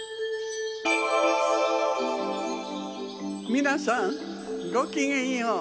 みなさんごきげんよう。